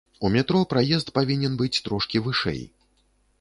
У метро праезд павінен быць трошкі вышэй.